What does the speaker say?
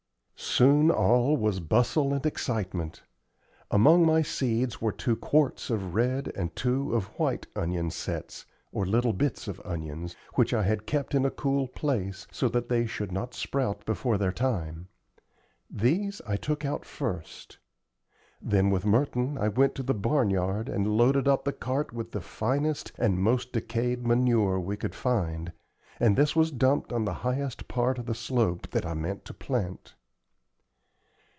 Soon all was bustle and excitement. Among my seeds were two quarts of red and two of white onion sets, or little bits of onions, which I had kept in a cool place, so that they should not sprout before their time. These I took out first. Then with Merton I went to the barn yard and loaded up the cart with the finest and most decayed manure we could find, and this was dumped on the highest part of the slope that I meant to plant.